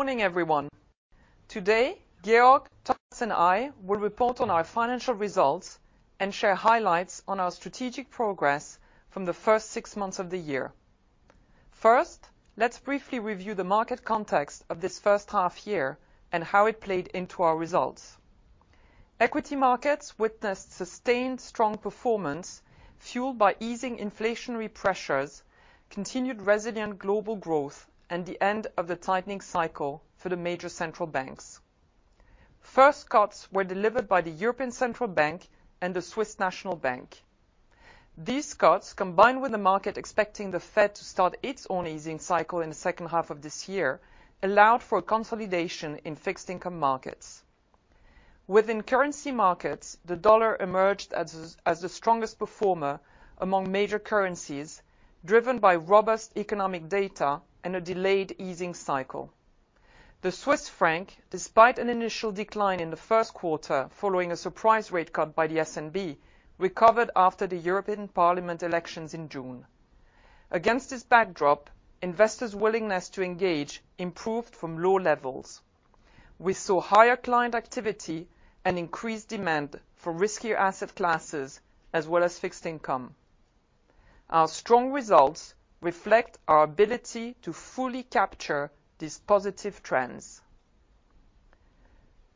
Good morning, everyone. Today, Georg, Thomas, and I will report on our financial results and share highlights on our strategic progress from the first six months of the year. First, let's briefly review the market context of this first half year and how it played into our results. Equity markets witnessed sustained strong performance fueled by easing inflationary pressures, continued resilient global growth, and the end of the tightening cycle for the major central banks. First cuts were delivered by the European Central Bank and the Swiss National Bank. These cuts, combined with the market expecting the Fed to start its own easing cycle in the second half of this year, allowed for consolidation in fixed income markets. Within currency markets, the dollar emerged as the strongest performer among major currencies, driven by robust economic data and a delayed easing cycle. The Swiss franc, despite an initial decline in the first quarter following a surprise rate cut by the SNB, recovered after the European Parliament elections in June. Against this backdrop, investors' willingness to engage improved from low levels. We saw higher client activity and increased demand for riskier asset classes as well as fixed income. Our strong results reflect our ability to fully capture these positive trends.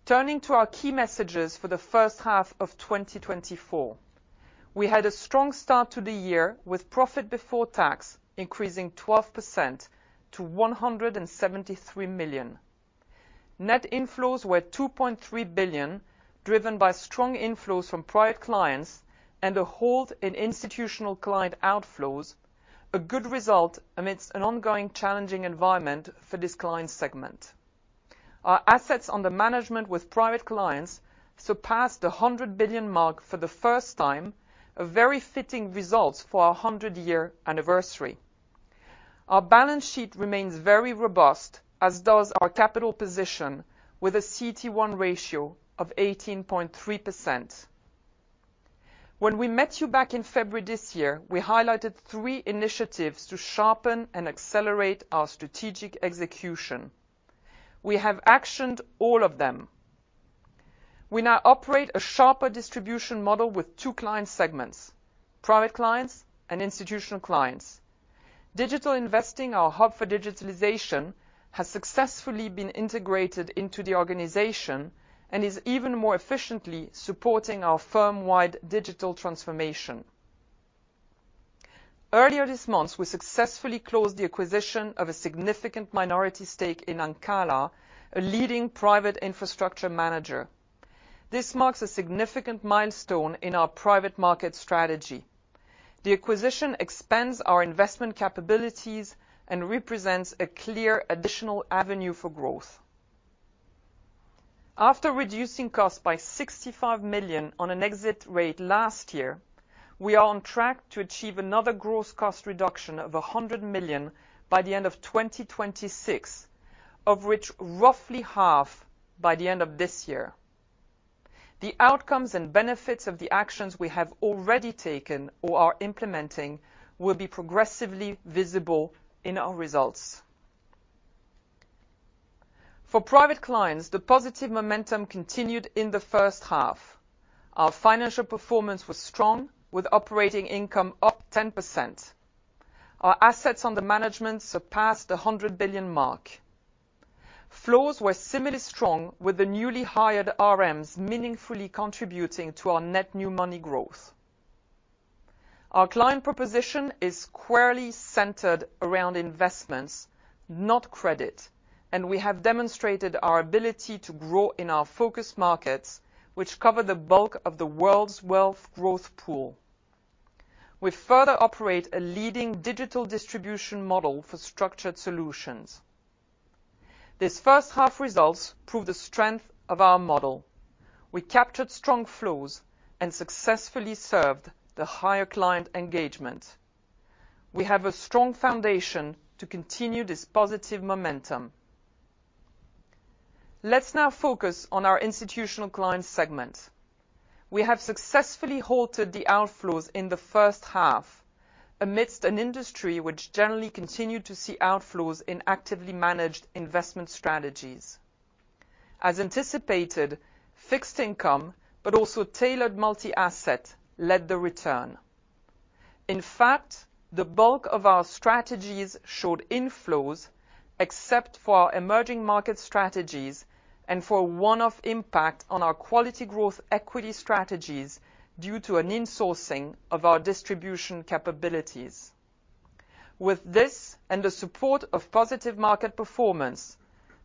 `Turning to our key messages for the first half of 2024, we had a strong start to the year with profit before tax increasing 12% to 173 million. Net inflows were 2.3 billion, driven by strong inflows from private clients and a hold in institutional client outflows, a good result amidst an ongoing challenging environment for this client segment. Our assets under management with private clients surpassed the 100 billion mark for the first time, a very fitting result for our 100-year anniversary. Our balance sheet remains very robust, as does our capital position with a CET1 ratio of 18.3%. When we met you back in February this year, we highlighted three initiatives to sharpen and accelerate our strategic execution. We have actioned all of them. We now operate a sharper distribution model with two client segments: Private Clients and Institutional Clients. Digital Investing, our hub for digitalization, has successfully been integrated into the organization and is even more efficiently supporting our firm-wide digital transformation. Earlier this month, we successfully closed the acquisition of a significant minority stake in Ancala, a leading private infrastructure manager. This marks a significant milestone in our private market strategy. The acquisition expands our investment capabilities and represents a clear additional avenue for growth. After reducing costs by 65 million on an exit rate last year, we are on track to achieve another gross cost reduction of 100 million by the end of 2026, of which roughly half by the end of this year. The outcomes and benefits of the actions we have already taken or are implementing will be progressively visible in our results. For private clients, the positive momentum continued in the first half. Our financial performance was strong, with operating income up 10%. Our assets under management surpassed the 100 billion mark. Flows were similarly strong, with the newly hired RMs meaningfully contributing to our net new money growth. Our client proposition is squarely centered around investments, not credit, and we have demonstrated our ability to grow in our focus markets, which cover the bulk of the world's wealth growth pool. We further operate a leading digital distribution model for structured solutions. This first half result proved the strength of our model. We captured strong flows and successfully served the higher client engagement. We have a strong foundation to continue this positive momentum. Let's now focus on our institutional client segment. We have successfully halted the outflows in the first half amidst an industry which generally continued to see outflows in actively managed investment strategies. As anticipated, fixed income, but also tailored multi-asset, led the return. In fact, the bulk of our strategies showed inflows, except for our emerging market strategies and for one-off impact on our Quality Growth equity strategies due to an insourcing of our distribution capabilities. With this and the support of positive market performance,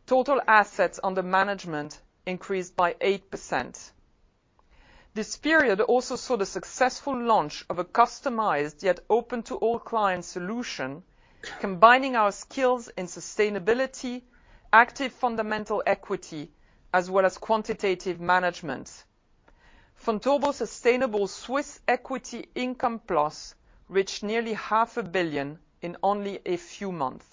total assets under management increased by 8%. This period also saw the successful launch of a customized yet open-to-all client solution, combining our skills in sustainability, active fundamental equity, as well as quantitative management. Vontobel Sustainable Swiss Equity Income Plus reached nearly 500 million in only a few months.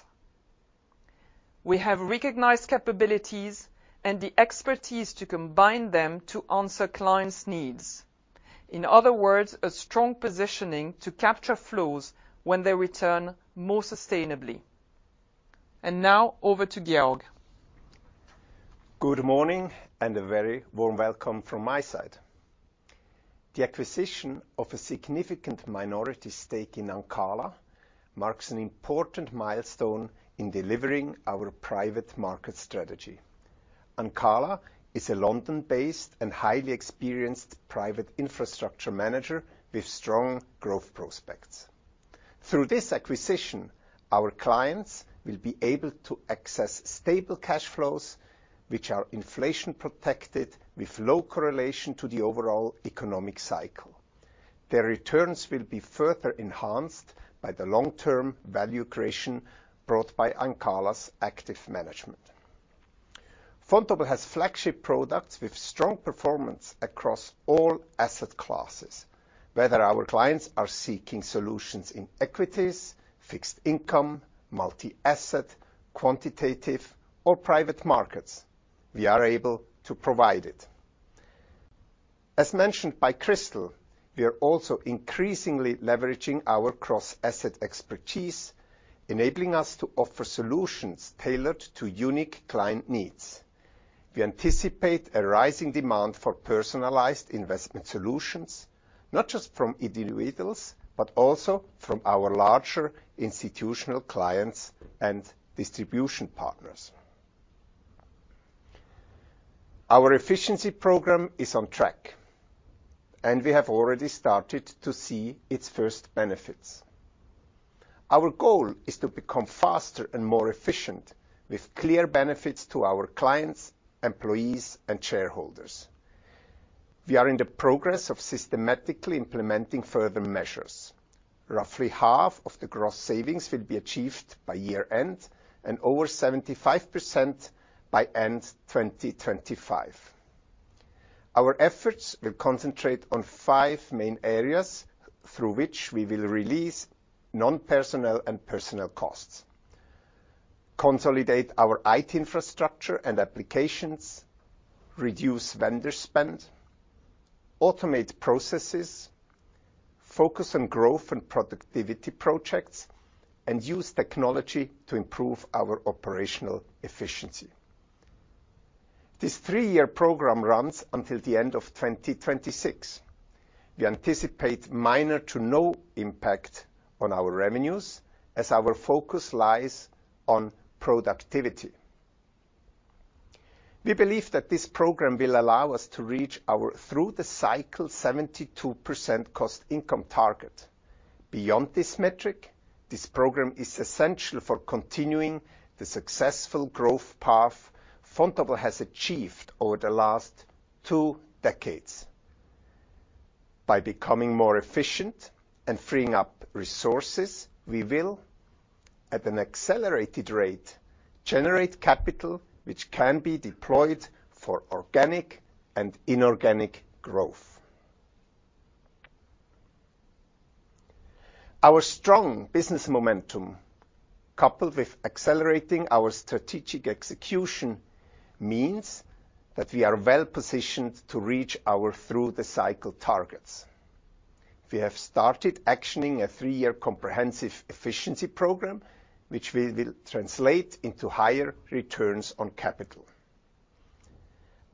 We have recognized capabilities and the expertise to combine them to answer clients' needs. In other words, a strong positioning to capture flows when they return more sustainably. Now, over to Georg. Good morning and a very warm welcome from my side. The acquisition of a significant minority stake in Ancala marks an important milestone in delivering our private market strategy. Ancala is a London-based and highly experienced private infrastructure manager with strong growth prospects. Through this acquisition, our clients will be able to access stable cash flows, which are inflation-protected with low correlation to the overall economic cycle. Their returns will be further enhanced by the long-term value creation brought by Ancala's active management. Vontobel has flagship products with strong performance across all asset classes. Whether our clients are seeking solutions in equities, fixed income, multi-asset, quantitative, or private markets, we are able to provide it. As mentioned by Christel, we are also increasingly leveraging our cross-asset expertise, enabling us to offer solutions tailored to unique client needs. We anticipate a rising demand for personalized investment solutions, not just from individuals, but also from our larger institutional clients and distribution partners. Our efficiency program is on track, and we have already started to see its first benefits. Our goal is to become faster and more efficient, with clear benefits to our clients, employees, and shareholders. We are in the progress of systematically implementing further measures. Roughly half of the gross savings will be achieved by year-end and over 75% by end 2025. Our efforts will concentrate on five main areas through which we will release non-personnel and personnel costs, consolidate our IT infrastructure and applications, reduce vendor spend, automate processes, focus on growth and productivity projects, and use technology to improve our operational efficiency. This three-year program runs until the end of 2026. We anticipate minor to no impact on our revenues, as our focus lies on productivity. We believe that this program will allow us to reach our through-the-cycle 72% cost/income target. Beyond this metric, this program is essential for continuing the successful growth path Vontobel has achieved over the last two decades. By becoming more efficient and freeing up resources, we will, at an accelerated rate, generate capital which can be deployed for organic and inorganic growth. Our strong business momentum, coupled with accelerating our strategic execution, means that we are well positioned to reach our through-the-cycle targets. We have started actioning a three-year comprehensive efficiency program, which will translate into higher returns on capital.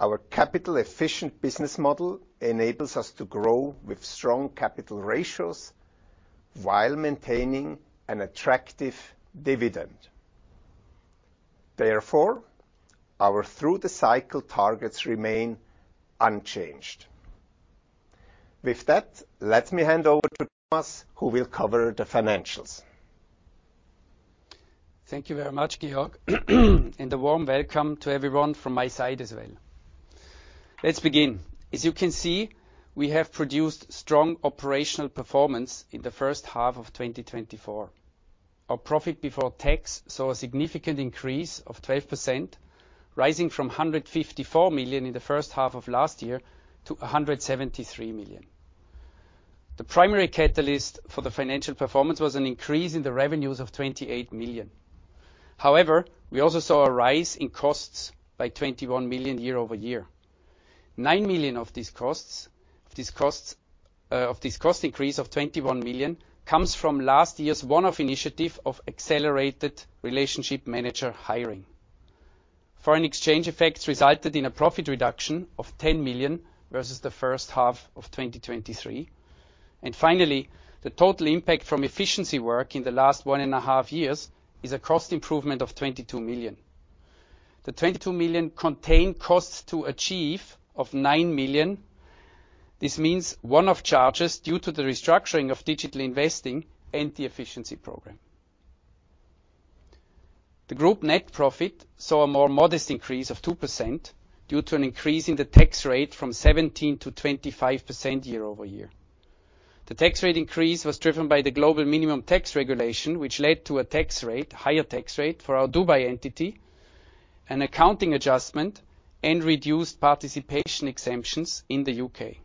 Our capital-efficient business model enables us to grow with strong capital ratios while maintaining an attractive dividend. Therefore, our through-the-cycle targets remain unchanged. With that, let me hand over to Thomas, who will cover the financials. Thank you very much, Georg, and a warm welcome to everyone from my side as well. Let's begin. As you can see, we have produced strong operational performance in the first half of 2024. Our profit before tax saw a significant increase of 12%, rising from 154 million in the first half of last year to 173 million. The primary catalyst for the financial performance was an increase in the revenues of 28 million. However, we also saw a rise in costs by 21 million year-over-year. 9 million of this cost increase of 21 million comes from last year's one-off initiative of accelerated relationship manager hiring. Foreign exchange effects resulted in a profit reduction of 10 million versus the first half of 2023. And finally, the total impact from efficiency work in the last one and a half years is a cost improvement of 22 million. The 22 million contained costs to achieve of 9 million. This means one-off charges due to the restructuring of Digital Investing and the efficiency program. The group net profit saw a more modest increase of 2% due to an increase in the tax rate from 17% to 25% year-over-year. The tax rate increase was driven by the global minimum tax regulation, which led to a higher tax rate for our Dubai entity, an accounting adjustment, and reduced participation exemptions in the U.K.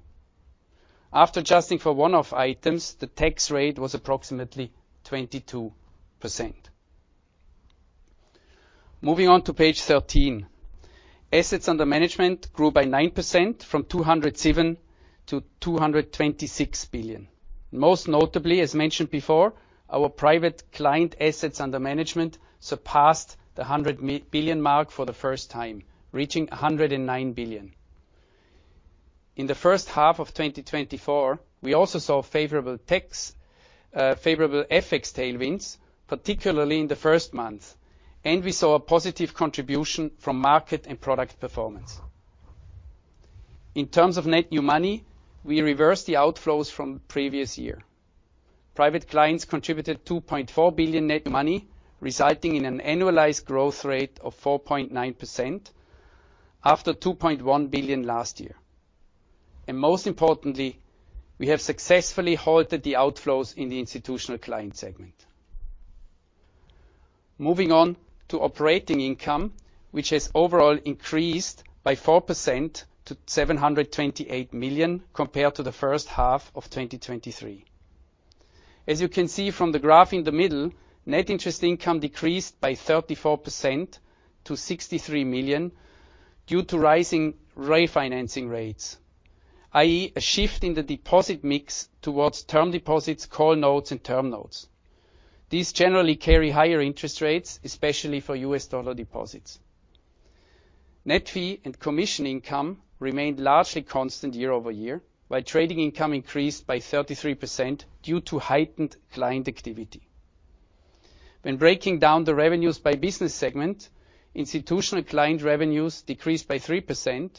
After adjusting for one-off items, the tax rate was approximately 22%. Moving on to Page 13, Assets under Management grew by 9% from 207 billion to 226 billion. Most notably, as mentioned before, our Private Client Assets under Management surpassed the 100 billion mark for the first time, reaching 109 billion. In the first half of 2024, we also saw favorable FX tailwinds, particularly in the first month, and we saw a positive contribution from market and product performance. In terms of net new money, we reversed the outflows from the previous year. Private Clients contributed 2.4 billion net money, resulting in an annualized growth rate of 4.9% after 2.1 billion last year. Most importantly, we have successfully halted the outflows in the institutional client segment. Moving on to operating income, which has overall increased by 4% to 728 million compared to the first half of 2023. As you can see from the graph in the middle, net interest income decreased by 34% to 63 million due to rising refinancing rates, i.e., a shift in the deposit mix towards term deposits, call notes, and term notes. These generally carry higher interest rates, especially for U.S. dollar deposits. Net fee and commission income remained largely constant year-over-year, while trading income increased by 33% due to heightened client activity. When breaking down the revenues by business segment, institutional client revenues decreased by 3%.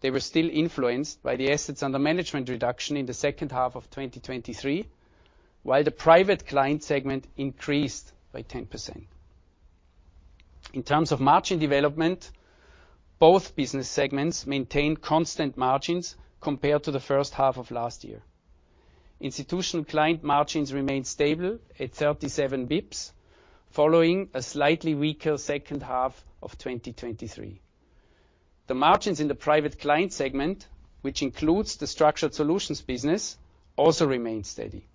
They were still influenced by the assets under management reduction in the second half of 2023, while the private client segment increased by 10%. In terms of margin development, both business segments maintained constant margins compared to the first half of last year. Institutional client margins remained stable at 37 bps, following a slightly weaker second half of 2023. The margins in the private client segment, which includes the structured solutions business, also remained steady.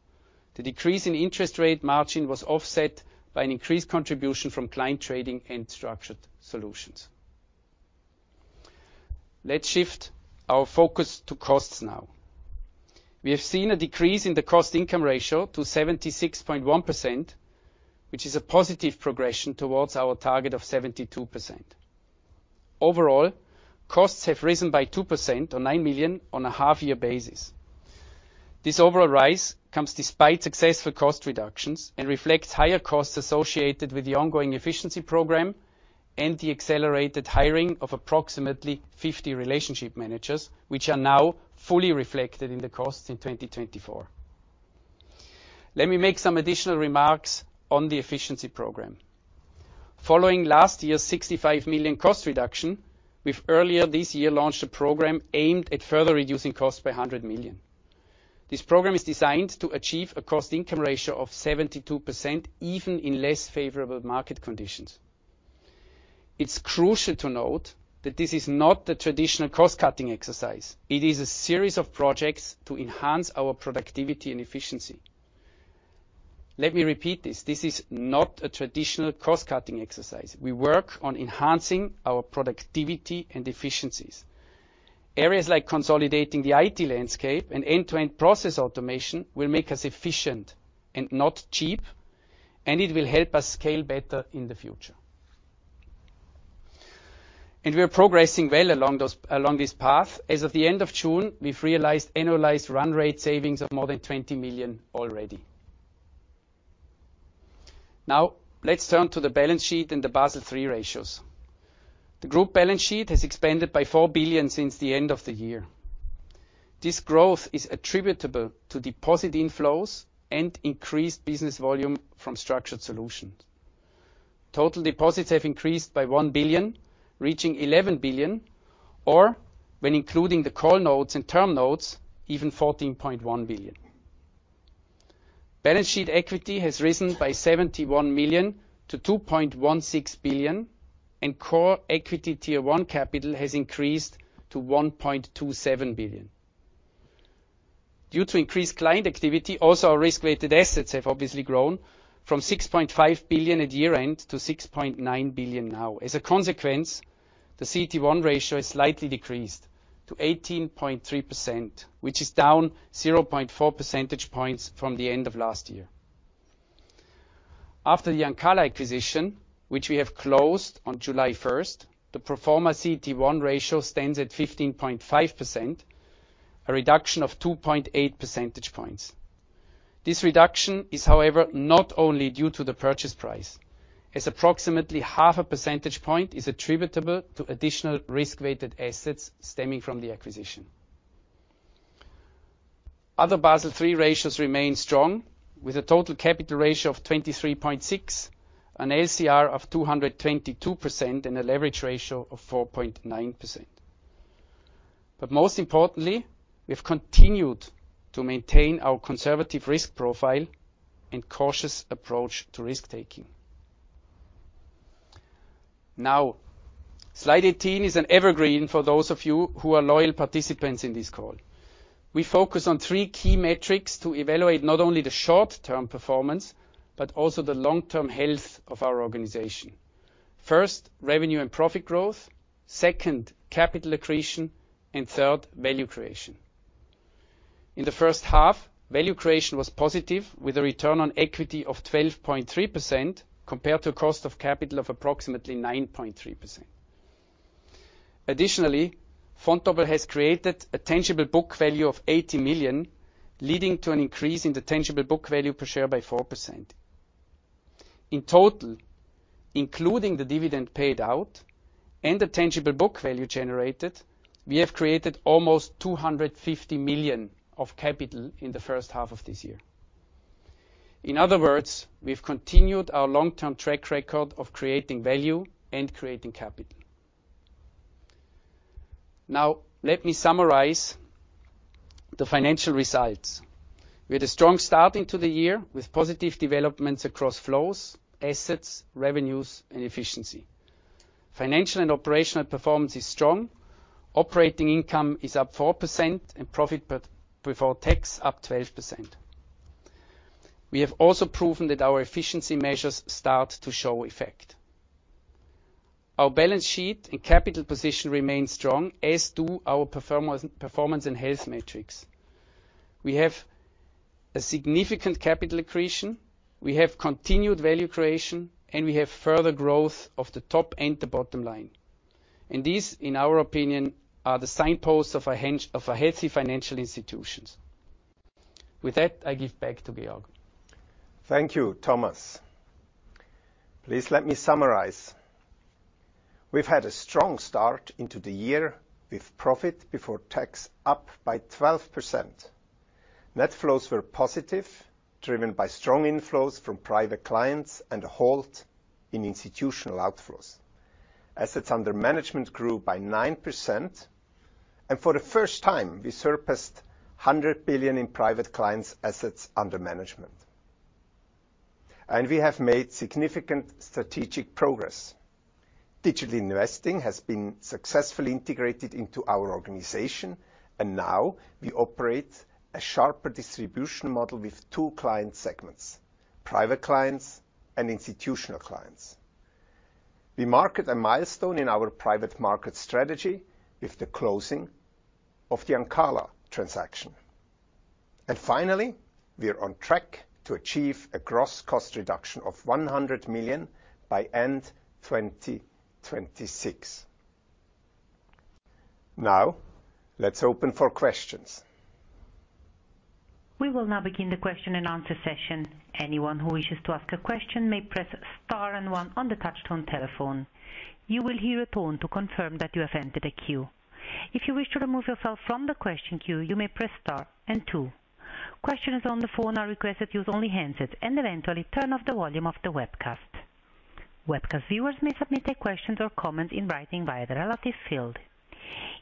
The decrease in interest rate margin was offset by an increased contribution from client trading and structured solutions. Let's shift our focus to costs now. We have seen a decrease in the cost income ratio to 76.1%, which is a positive progression towards our target of 72%. Overall, costs have risen by 2% or 9 million on a half-year basis. This overall rise comes despite successful cost reductions and reflects higher costs associated with the ongoing efficiency program and the accelerated hiring of approximately 50 relationship managers, which are now fully reflected in the costs in 2024. Let me make some additional remarks on the efficiency program. Following last year's 65 million cost reduction, we've earlier this year launched a program aimed at further reducing costs by 100 million. This program is designed to achieve a cost income ratio of 72% even in less favorable market conditions. It's crucial to note that this is not the traditional cost-cutting exercise. It is a series of projects to enhance our productivity and efficiency. Let me repeat this. This is not a traditional cost-cutting exercise. We work on enhancing our productivity and efficiencies. Areas like consolidating the IT landscape and end-to-end process automation will make us efficient and not cheap, and it will help us scale better in the future. We are progressing well along this path. As of the end of June, we've realized annualized run rate savings of more than 20 million already. Now, let's turn to the balance sheet and the Basel III ratios. The group balance sheet has expanded by 4 billion since the end of the year. This growth is attributable to deposit inflows and increased business volume from structured solutions. Total deposits have increased by 1 billion, reaching 11 billion, or when including the call notes and term notes, even 14.1 billion. Balance sheet equity has risen by 71 million to 2.16 billion, and core equity tier one capital has increased to 1.27 billion. Due to increased client activity, also our risk-weighted assets have obviously grown from 6.5 billion at year-end to 6.9 billion now. As a consequence, the CET1 ratio has slightly decreased to 18.3%, which is down 0.4 percentage points from the end of last year. After the Ancala acquisition, which we have closed on July 1st, the pro forma CET1 ratio stands at 15.5%, a reduction of 2.8 percentage points. This reduction is, however, not only due to the purchase price, as approximately half a percentage point is attributable to additional risk-weighted assets stemming from the acquisition. Other Basel III ratios remain strong, with a total capital ratio of 23.6%, an LCR of 222%, and a leverage ratio of 4.9%. But most importantly, we have continued to maintain our conservative risk profile and cautious approach to risk-taking. Now, Slide 18 is an evergreen for those of you who are loyal participants in this call. We focus on three key metrics to evaluate not only the short-term performance, but also the long-term health of our organization. First, revenue and profit growth. Second, capital accretion. And third, value creation. In the first half, value creation was positive, with a return on equity of 12.3% compared to a cost of capital of approximately 9.3%. Additionally, Vontobel has created a tangible book value of 80 million, leading to an increase in the tangible book value per share by 4%. In total, including the dividend paid out and the tangible book value generated, we have created almost 250 million of capital in the first half of this year. In other words, we've continued our long-term track record of creating value and creating capital. Now, let me summarize the financial results. We had a strong start into the year with positive developments across flows, assets, revenues, and efficiency. Financial and operational performance is strong. Operating income is up 4% and profit before tax up 12%. We have also proven that our efficiency measures start to show effect. Our balance sheet and capital position remain strong, as do our performance and health metrics. We have a significant capital accretion. We have continued value creation, and we have further growth of the top and the bottom line. And these, in our opinion, are the signposts of a healthy financial institution. With that, I give back to Georg. Thank you, Thomas. Please let me summarize. We've had a strong start into the year with profit before tax up by 12%. Net flows were positive, driven by strong inflows from private clients and a halt in institutional outflows. Assets under management grew by 9%. For the first time, we surpassed 100 billion in private clients' assets under management. We have made significant strategic progress. Digital Investing has been successfully integrated into our organization, and now we operate a sharper distribution model with two client segments: private clients and institutional clients. We marked a milestone in our private market strategy with the closing of the Ancala transaction. Finally, we are on track to achieve a gross cost reduction of 100 million by end 2026. Now, let's open for questions. We will now begin the question and answer session. Anyone who wishes to ask a question may press star and one on the touch-tone telephone. You will hear a tone to confirm that you have entered a queue. If you wish to remove yourself from the question queue, you may press star and two. Questions on the phone are requested to use only handsets and eventually turn off the volume of the webcast. Webcast viewers may submit their questions or comments in writing via the relative field.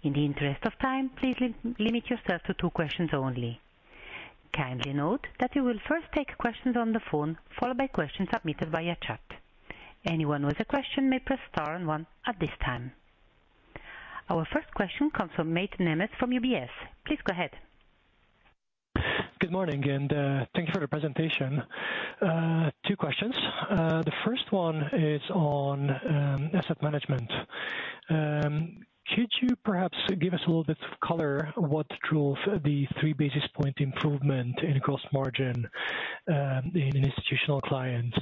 In the interest of time, please limit yourself to two questions only. Kindly note that you will first take questions on the phone, followed by questions submitted via chat. Anyone with a question may press star and one at this time. Our first question comes from Máté Nemes from UBS. Please go ahead. Good morning, and thank you for the presentation. Two questions. The first one is on asset management. Could you perhaps give us a little bit of color on what drove the 3 basis point improvement in gross margin in institutional clients?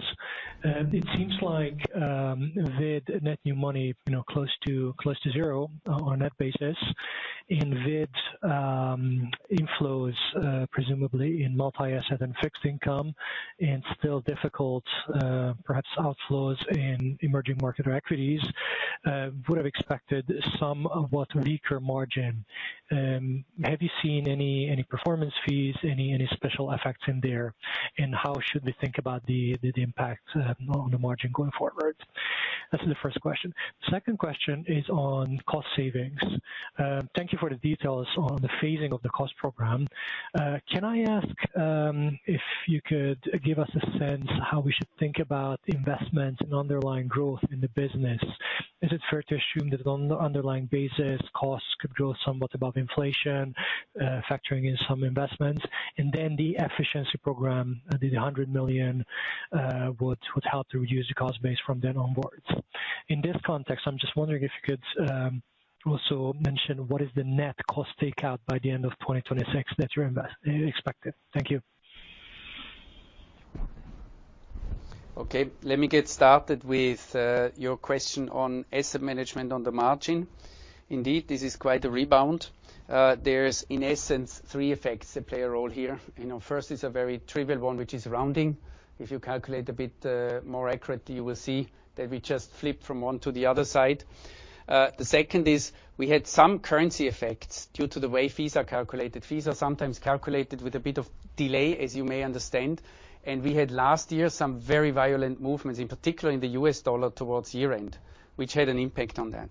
It seems like net new money close to zero on net basis, and with inflows, presumably in multi-asset and fixed income, and still difficult, perhaps, outflows in emerging market or equities, would have expected somewhat weaker margin. Have you seen any performance fees, any special effects in there, and how should we think about the impact on the margin going forward? That's the first question. The second question is on cost savings. Thank you for the details on the phasing of the cost program. Can I ask if you could give us a sense of how we should think about investments and underlying growth in the business? Is it fair to assume that on the underlying basis, costs could grow somewhat above inflation, factoring in some investments, and then the efficiency program, the 100 million, would help to reduce the cost base from then onwards? In this context, I'm just wondering if you could also mention what is the net cost takeout by the end of 2026 that you're expecting? Thank you. Okay. Let me get started with your question on asset management on the margin. Indeed, this is quite a rebound. There's, in essence, three effects that play a role here. First is a very trivial one, which is rounding. If you calculate a bit more accurately, you will see that we just flipped from one to the other side. The second is we had some currency effects due to the way fees are calculated. Fees are sometimes calculated with a bit of delay, as you may understand. And we had last year some very violent movements, in particular in the U.S. dollar towards year-end, which had an impact on that.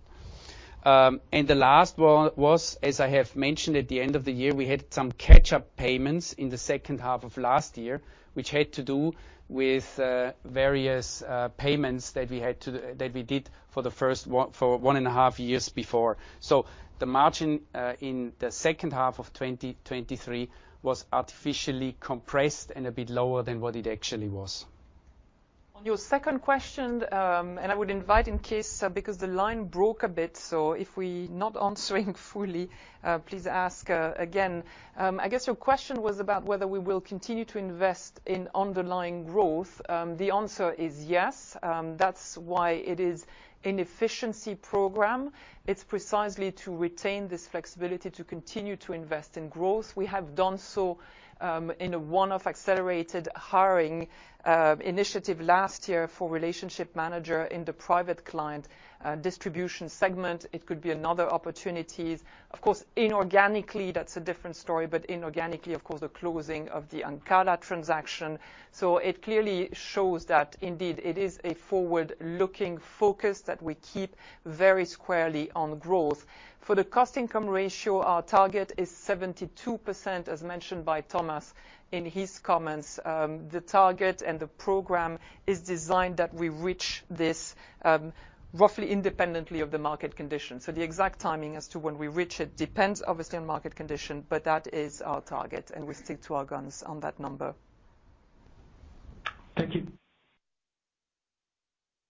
The last one was, as I have mentioned, at the end of the year, we had some catch-up payments in the second half of last year, which had to do with various payments that we did for the first one and a half years before. The margin in the second half of 2023 was artificially compressed and a bit lower than what it actually was. On your second question, and I would invite, in case, because the line broke a bit. If we are not answering fully, please ask again. I guess your question was about whether we will continue to invest in underlying growth. The answer is yes. That's why it is an efficiency program. It's precisely to retain this flexibility to continue to invest in growth. We have done so in a one-off accelerated hiring initiative last year for relationship manager in the private client distribution segment. It could be another opportunity. Of course, inorganically, that's a different story, but inorganically, of course, the closing of the Ancala transaction. So it clearly shows that indeed it is a forward-looking focus that we keep very squarely on growth. For the cost/income ratio, our target is 72%, as mentioned by Thomas in his comments. The target and the program is designed that we reach this roughly independently of the market condition. So the exact timing as to when we reach it depends, obviously, on market condition, but that is our target, and we stick to our guns on that number. Thank you.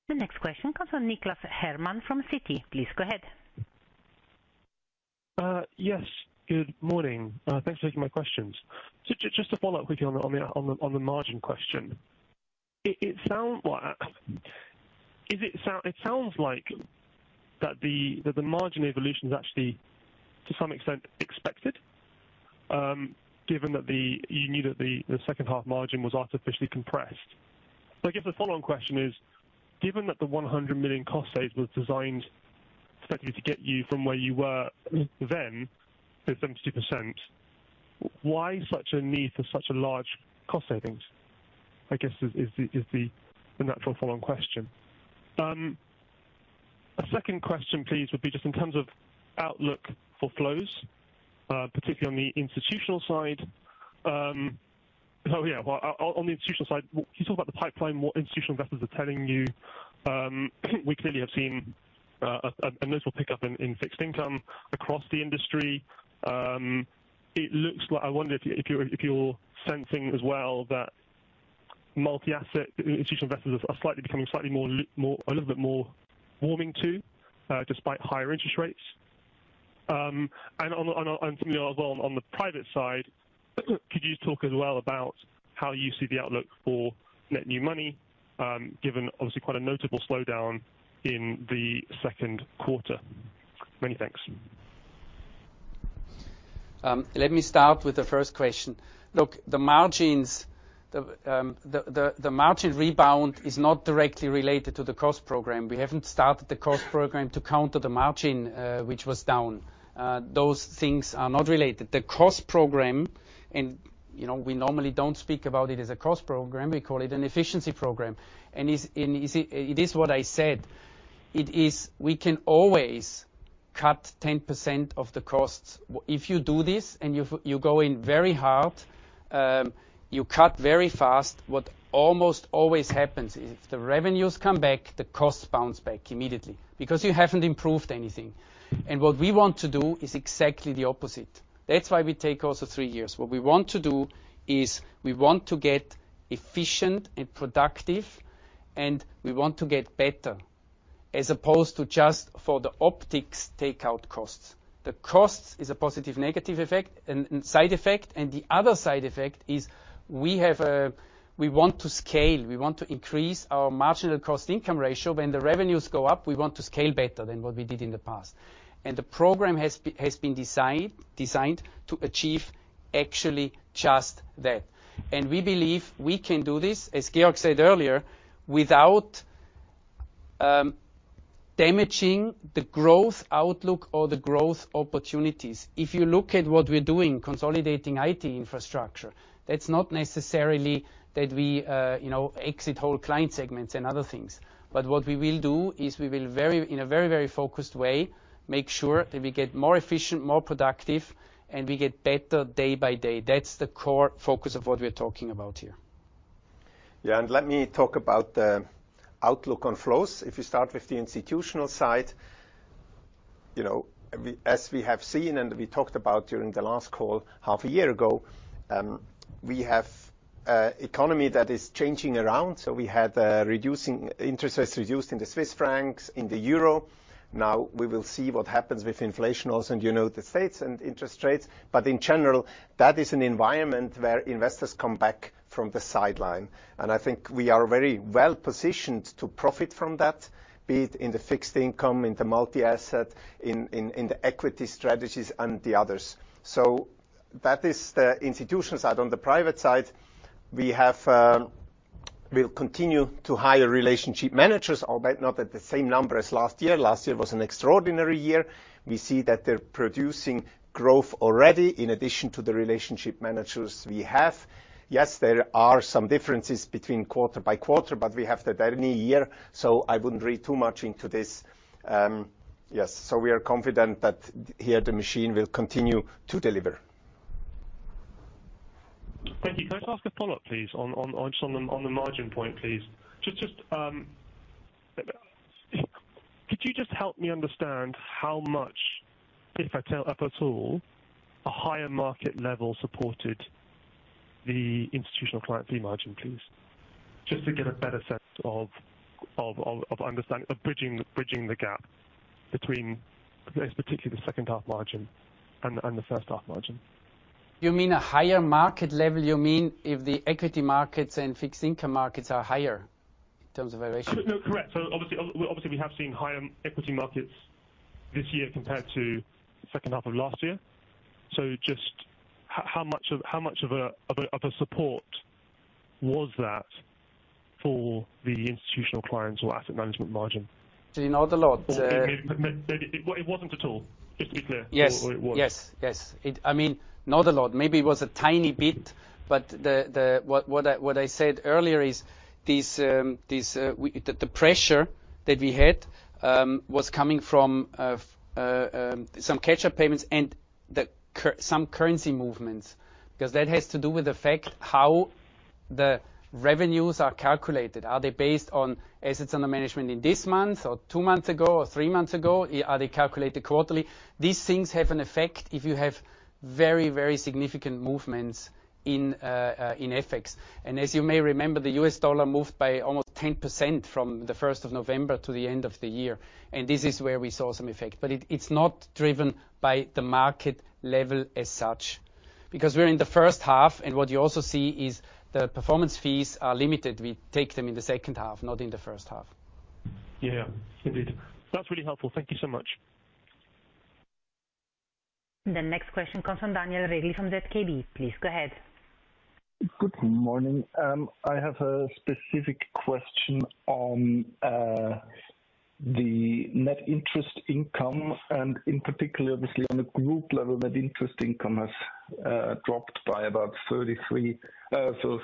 The next question comes from Nicholas Herman from Citi. Please go ahead. Yes. Good morning. Thanks for taking my questions. Just to follow up quickly on the margin question. It sounds like that the margin evolution is actually, to some extent, expected, given that you knew that the second half margin was artificially compressed. I guess the following question is, given that the 100 million cost savings was designed specifically to get you from where you were then to 72%, why such a need for such a large cost savings, I guess, is the natural following question. A second question, please, would be just in terms of outlook for flows, particularly on the institutional side. So yeah, on the institutional side, you talk about the pipeline, what institutional investors are telling you. We clearly have seen a notable pickup in fixed income across the industry. It looks like I wonder if you're sensing as well that institutional investors are slightly becoming a little bit more warming too, despite higher interest rates. And similarly, as well, on the private side, could you talk as well about how you see the outlook for net new money, given, obviously, quite a notable slowdown in the second quarter? Many thanks. Let me start with the first question. Look, the margin rebound is not directly related to the cost program. We haven't started the cost program to counter the margin, which was down. Those things are not related. The cost program, and we normally don't speak about it as a cost program. We call it an efficiency program. And it is what I said. We can always cut 10% of the costs. If you do this and you go in very hard, you cut very fast, what almost always happens is if the revenues come back, the costs bounce back immediately because you haven't improved anything. And what we want to do is exactly the opposite. That's why we take also three years. What we want to do is we want to get efficient and productive, and we want to get better, as opposed to just for the optics takeout costs. The cost is a positive-negative side effect, and the other side effect is we want to scale. We want to increase our marginal cost income ratio. When the revenues go up, we want to scale better than what we did in the past. The program has been designed to achieve actually just that. We believe we can do this, as Georg said earlier, without damaging the growth outlook or the growth opportunities. If you look at what we're doing, consolidating IT infrastructure, that's not necessarily that we exit whole client segments and other things. What we will do is we will, in a very, very focused way, make sure that we get more efficient, more productive, and we get better day by day. That's the core focus of what we're talking about here. Yeah. Let me talk about the outlook on flows. If you start with the institutional side, as we have seen and we talked about during the last call half a year ago, we have an economy that is changing around. We had interest rates reduced in the Swiss francs, in the euro. Now, we will see what happens with inflation also in the United States and interest rates. In general, that is an environment where investors come back from the sideline. I think we are very well positioned to profit from that, be it in the fixed income, in the multi-asset, in the equity strategies, and the others. That is the institutional side. On the private side, we will continue to hire relationship managers, albeit not at the same number as last year. Last year was an extraordinary year. We see that they're producing growth already in addition to the relationship managers we have. Yes, there are some differences between quarter by quarter, but we have that any year. So I wouldn't read too much into this. Yes. So we are confident that here the machine will continue to deliver. Thank you. Can I just ask a follow-up, please? On the margin point, please. Could you just help me understand how much, if at all, a higher market level supported the institutional client fee margin, please? Just to get a better sense of bridging the gap between, particularly, the second half margin and the first half margin. You mean a higher market level? You mean if the equity markets and fixed income markets are higher in terms of valuation? Correct. So obviously, we have seen higher equity markets this year compared to the second half of last year. So just how much of a support was that for the institutional clients or asset management margin? Not a lot. It wasn't at all, just to be clear. Yes. Yes. I mean, not a lot. Maybe it was a tiny bit, but what I said earlier is the pressure that we had was coming from some catch-up payments and some currency movements because that has to do with the fact how the revenues are calculated. Are they based on assets under management in this month or two months ago or three months ago? Are they calculated quarterly? These things have an effect if you have very, very significant movements in FX. And as you may remember, the U.S. dollar moved by almost 10% from the 1st of November to the end of the year. And this is where we saw some effect. But it's not driven by the market level as such because we're in the first half, and what you also see is the performance fees are limited. We take them in the second half, not in the first half. Yeah. Indeed. That's really helpful. Thank you so much. The next question comes from Daniel Regli from ZKB. Please go ahead. Good morning. I have a specific question on the net interest income, and in particular, obviously, on the group level, net interest income has dropped by about CHF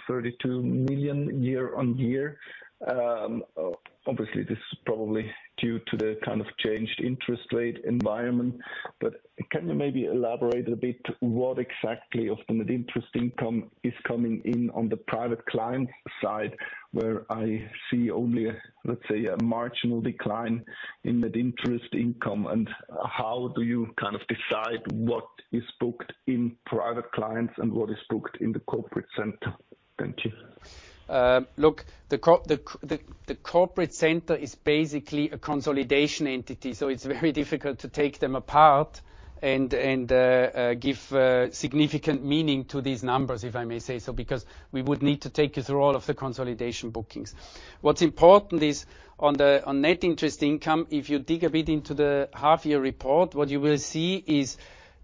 32 million year-over-year. Obviously, this is probably due to the kind of changed interest rate environment. But can you maybe elaborate a bit what exactly of the net interest income is coming in on the private client side, where I see only, let's say, a marginal decline in net interest income? And how do you kind of decide what is booked in private clients and what is booked in the corporate center? Thank you. Look, the corporate center is basically a consolidation entity. So it's very difficult to take them apart and give significant meaning to these numbers, if I may say so, because we would need to take you through all of the consolidation bookings. What's important is on net interest income, if you dig a bit into the half-year report, what you will see is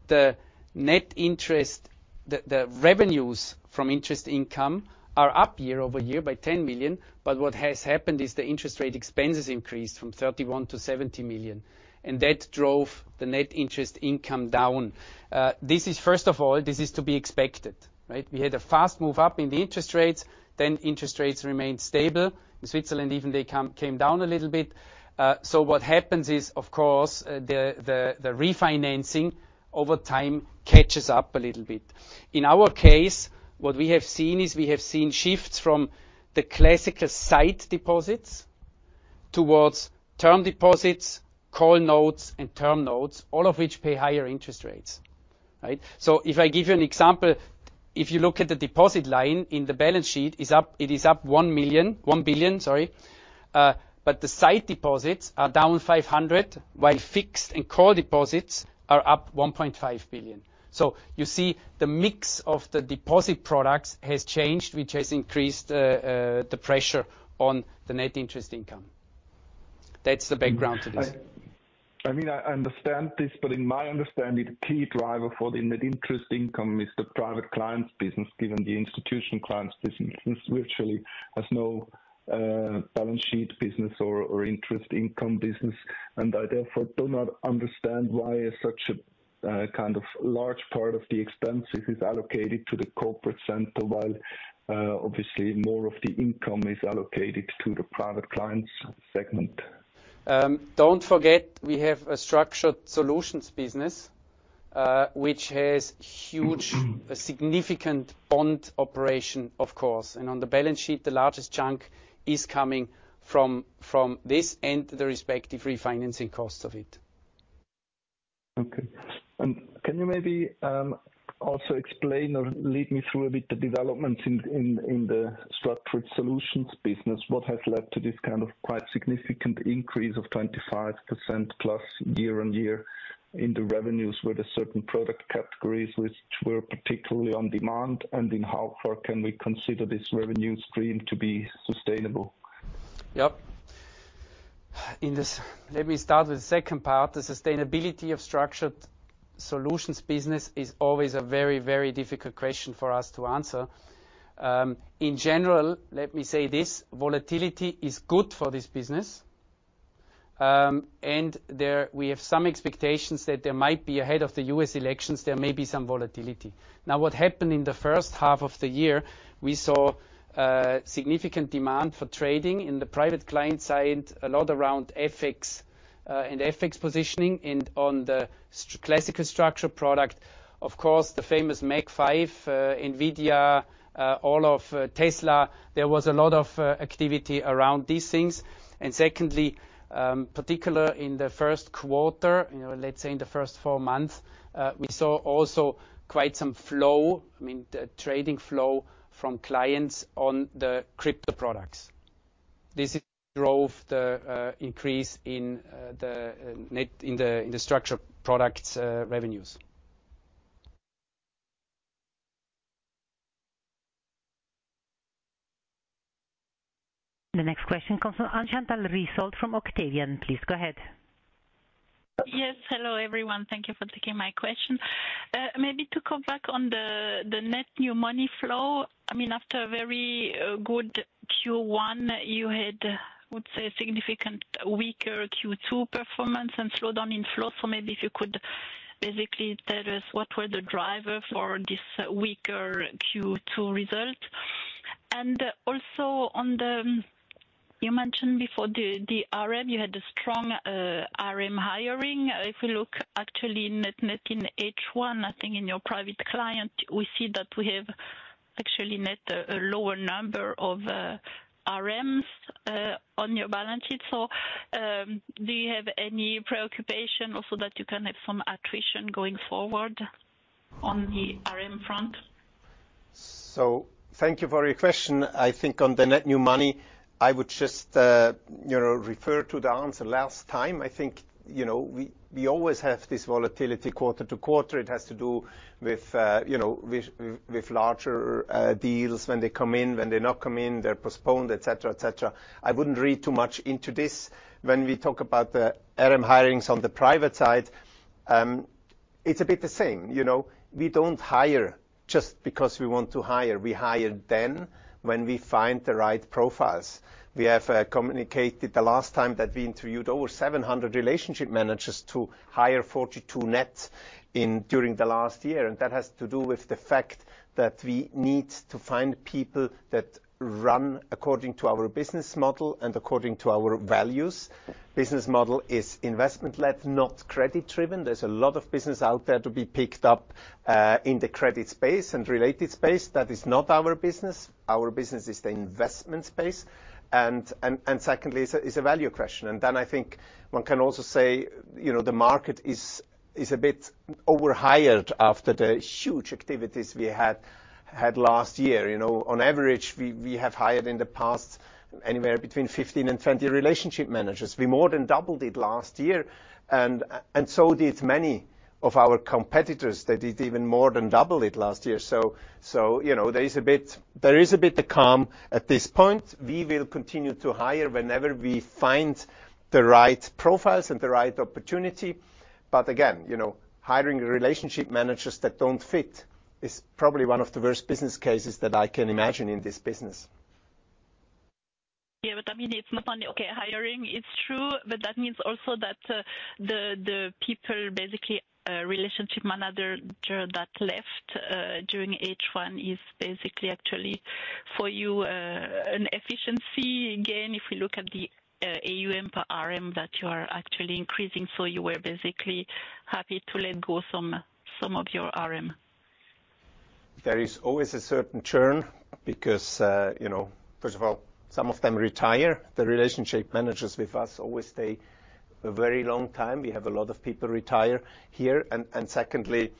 the revenues from interest income are up year-over-year by 10 million. But what has happened is the interest rate expenses increased from 31 million to 70 million. And that drove the net interest income down. First of all, this is to be expected. We had a fast move up in the interest rates. Then interest rates remained stable. In Switzerland, even they came down a little bit. So what happens is, of course, the refinancing over time catches up a little bit. In our case, what we have seen is we have seen shifts from the classical sight deposits towards term deposits, call notes, and term notes, all of which pay higher interest rates. So if I give you an example, if you look at the deposit line in the balance sheet, it is up 1 billion, sorry. But the sight deposits are down 500 million, while fixed and call deposits are up 1.5 billion. So you see the mix of the deposit products has changed, which has increased the pressure on the net interest income. That's the background to this. I mean, I understand this, but in my understanding, the key driver for the net interest income is the private clients' business, given the institutional clients' business, which virtually has no balance sheet business or interest income business. I therefore do not understand why such a kind of large part of the expenses is allocated to the corporate center, while obviously more of the income is allocated to the private clients' segment. Don't forget we have a structured solutions business, which has huge, significant bond operation, of course. And on the balance sheet, the largest chunk is coming from this and the respective refinancing cost of it. Okay. And can you maybe also explain or lead me through a bit the developments in the structured solutions business? What has led to this kind of quite significant increase of 25%+ year-on-year in the revenues with a certain product categories which were particularly on demand? And in how far can we consider this revenue stream to be sustainable? Yep. Let me start with the second part. The sustainability of structured solutions business is always a very, very difficult question for us to answer. In general, let me say this: volatility is good for this business. And we have some expectations that there might be, ahead of the U.S. elections, there may be some volatility. Now, what happened in the first half of the year, we saw significant demand for trading in the private client side, a lot around FX and FX positioning and on the classical structured product. Of course, the famous Mag 5, Nvidia, all of Tesla. There was a lot of activity around these things. And secondly, particularly in the first quarter, let's say in the first four months, we saw also quite some flow, I mean, trading flow from clients on the crypto products. This drove the increase in the structured products' revenues. The next question comes from Alessandro Rizzoli from Octavian. Please go ahead. Yes. Hello, everyone. Thank you for taking my question. Maybe to come back on the net new money flow, I mean, after a very good Q1, you had, I would say, significant weaker Q2 performance and slowdown in flow. So maybe if you could basically tell us what were the drivers for this weaker Q2 result. And also, you mentioned before the RM, you had a strong RM hiring. If we look actually net in H1, I think in your private client, we see that we have actually net a lower number of RMs on your balance sheet. So do you have any preoccupation also that you can have some attrition going forward on the RM front? So thank you for your question. I think on the net new money, I would just refer to the answer last time. I think we always have this volatility quarter to quarter. It has to do with larger deals when they come in, when they not come in, they're postponed, etc., etc. I wouldn't read too much into this. When we talk about the RM hirings on the private side, it's a bit the same. We don't hire just because we want to hire. We hire then when we find the right profiles. We have communicated the last time that we interviewed over 700 relationship managers to hire 42 net during the last year. And that has to do with the fact that we need to find people that run according to our business model and according to our values. Business model is investment-led, not credit-driven. There's a lot of business out there to be picked up in the credit space and related space. That is not our business. Our business is the investment space. And secondly, it's a value question. And then I think one can also say the market is a bit overhired after the huge activities we had last year. On average, we have hired in the past anywhere between 15 and 20 relationship managers. We more than doubled it last year. And so did many of our competitors that did even more than double it last year. So there is a bit to come at this point. We will continue to hire whenever we find the right profiles and the right opportunity. But again, hiring relationship managers that don't fit is probably one of the worst business cases that I can imagine in this business. Yeah. But I mean, it's not only okay hiring, it's true. But that means also that the people, basically Relationship Managers that left during H1 is basically actually for you an efficiency. Again, if we look at the AUM per RM that you are actually increasing, so you were basically happy to let go of some of your RM. There is always a certain churn because, first of all, some of them retire. The relationship managers with us always stay a very long time. We have a lot of people retire here. And secondly,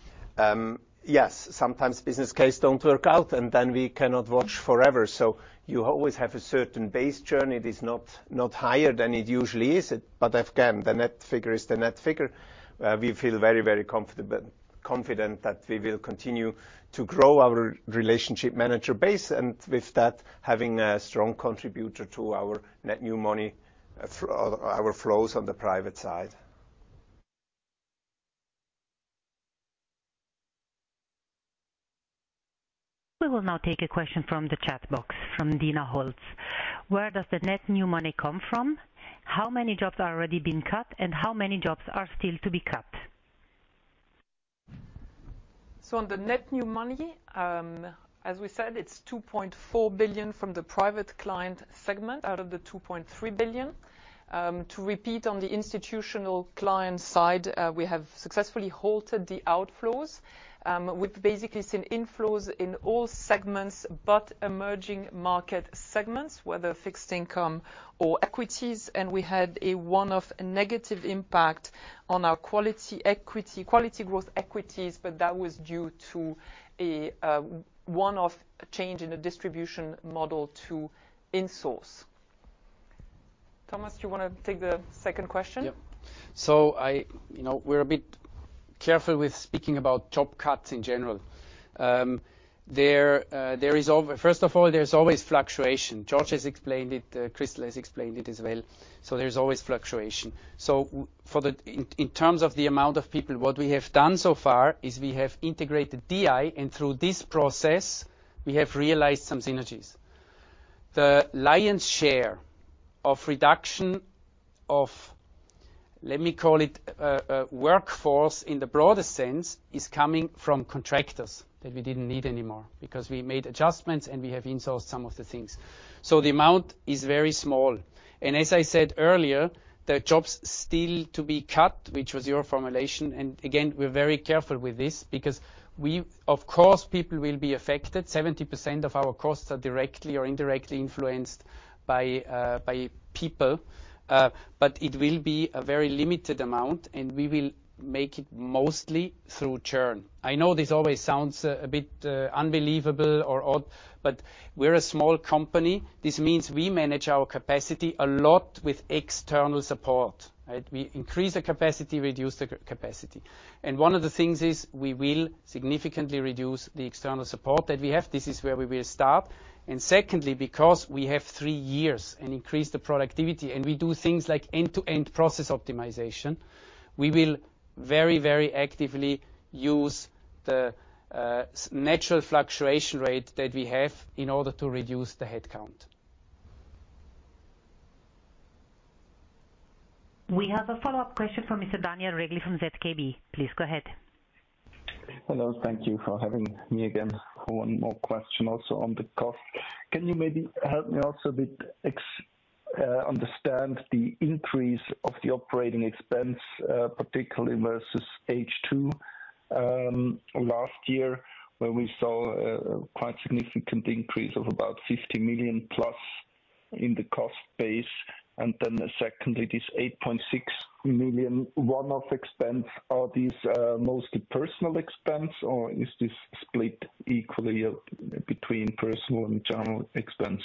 yes, sometimes business cases don't work out, and then we cannot watch forever. So you always have a certain base churn. It is not higher than it usually is. But again, the net figure is the net figure. We feel very, very confident that we will continue to grow our relationship manager base and with that, having a strong contributor to our net new money, our flows on the private side. We will now take a question from the chat box from Dina Holz. Where does the net new money come from? How many jobs are already being cut, and how many jobs are still to be cut? So on the net new money, as we said, it's 2.4 billion from the private client segment out of the 2.3 billion. To repeat, on the institutional client side, we have successfully halted the outflows. We've basically seen inflows in all segments but emerging market segments, whether fixed income or equities. And we had a one-off negative impact on our Quality Growth equities, but that was due to a one-off change in the distribution model to insource. Thomas, do you want to take the second question? Yeah. So we're a bit careful with speaking about job cuts in general. First of all, there's always fluctuation. Georg has explained it. Christel has explained it as well. So there's always fluctuation. So in terms of the amount of people, what we have done so far is we have integrated DI, and through this process, we have realized some synergies. The lion's share of reduction of, let me call it, workforce in the broader sense is coming from contractors that we didn't need anymore because we made adjustments, and we have insourced some of the things. So the amount is very small. And as I said earlier, the jobs still to be cut, which was your formulation. And again, we're very careful with this because, of course, people will be affected. 70% of our costs are directly or indirectly influenced by people. But it will be a very limited amount, and we will make it mostly through churn. I know this always sounds a bit unbelievable or odd, but we're a small company. This means we manage our capacity a lot with external support. We increase the capacity, reduce the capacity. And one of the things is we will significantly reduce the external support that we have. This is where we will start. And secondly, because we have three years and increase the productivity, and we do things like end-to-end process optimization, we will very, very actively use the natural fluctuation rate that we have in order to reduce the headcount. We have a follow-up question from Mr. Daniel Regli from ZKB. Please go ahead. Hello. Thank you for having me again for one more question also on the cost. Can you maybe help me also a bit understand the increase of the operating expense, particularly versus H2 last year, where we saw quite a significant increase of about 50+ million in the cost base? And then secondly, this 8.6 million one-off expense, are these mostly personal expense, or is this split equally between personal and general expense?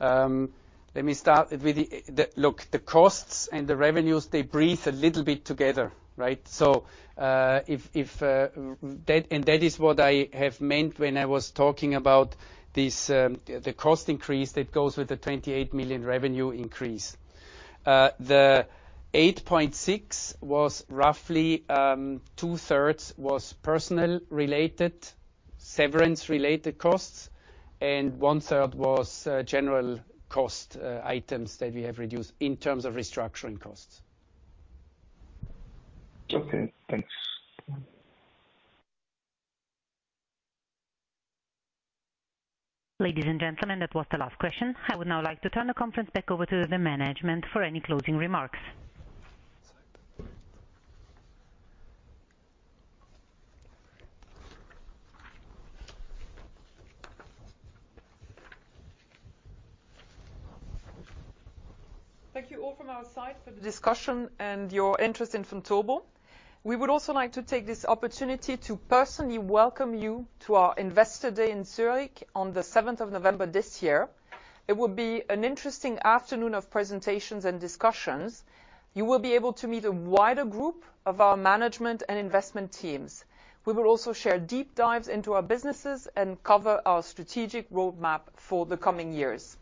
Let me start with the look. The costs and the revenues, they breathe a little bit together. That is what I have meant when I was talking about the cost increase that goes with the 28 million revenue increase. The 8.6 million was roughly 2/3 was personal-related, severance-related costs, and one-third was general cost items that we have reduced in terms of restructuring costs. Okay. Thanks. Ladies and gentlemen, that was the last question. I would now like to turn the conference back over to the management for any closing remarks. Thank you all from our side for the discussion and your interest in Vontobel. We would also like to take this opportunity to personally welcome you to our Investor Day in Zürich on the 7th of November this year. It will be an interesting afternoon of presentations and discussions. You will be able to meet a wider group of our management and investment teams. We will also share deep dives into our businesses and cover our strategic roadmap for the coming years.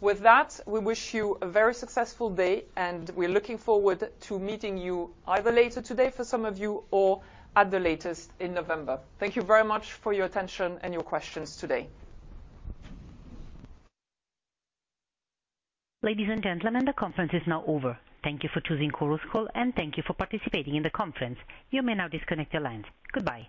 With that, we wish you a very successful day, and we're looking forward to meeting you either later today for some of you or at the latest in November. Thank you very much for your attention and your questions today. Ladies and gentlemen, the conference is now over. Thank you for choosing Chorus Call, and thank you for participating in the conference. You may now disconnect your lines. Goodbye.